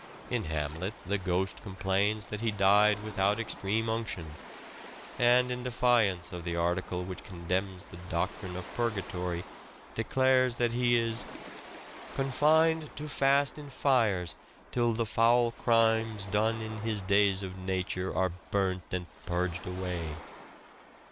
In ' Hamlet ' the ghost complains that he died without extreme unction, and, in defiance of the article which condemns the doctrine of purgatory, declares that he is " Confined to fast in fires, Till the foul crimes, done in his days of nature, Are burnt and purged away."